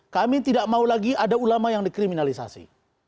kami tidak mau lagi ada ulama yang dikriminalisasi